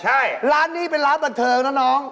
ใช่ร้านนี้เป็นร้านบันเทิงนะน้อง